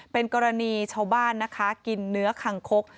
เป็นกรณีชาวบ้านนะคะกินเนื้อคังคก